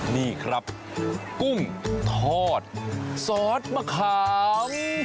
นี่ครับกุ้งทอดซอสมะขาม